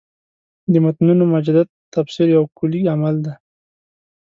د متنونو مجدد تفسیر یو کُلي عمل دی.